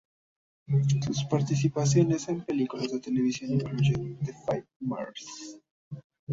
Sus participaciones en películas de televisión incluyen "The Five Mrs.